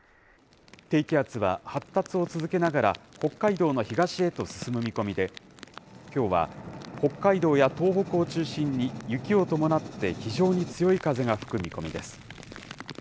低気圧は発達を続けながら北海道の東へと進む見込みで、きょうは、北海道や東北を中心に、雪を伴って非常に強い風が吹く見込みです。